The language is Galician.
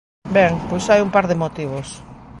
Ben, pois hai un par de motivos.